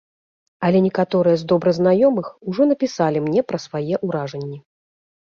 Але некаторыя з добра знаёмых ужо напісалі мне пра свае ўражанні.